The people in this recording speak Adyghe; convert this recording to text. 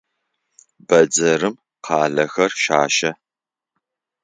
Бэдзэрым къалэхэр щащэ.